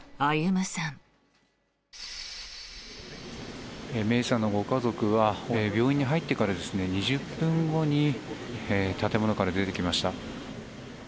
芽生さんのご家族が病院に入ってから２０分後に建物から出てきました。